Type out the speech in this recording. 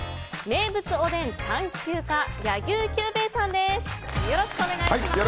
名物おでん探究家柳生九兵衛さんです。